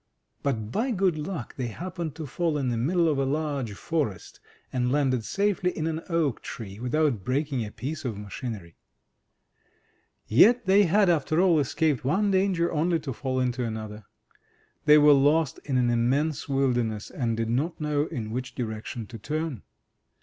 But by good luck they happened to fall in the middle of a large forest, and landed safely in an oak tree, without breaking a piece of machinery. L20 THE TREASURE CHEST ifcniU^^<^ Yet they had, after all, escaped one danger only to fall into another. They were lost in an immense wilderness, and did not know in which direction to turn.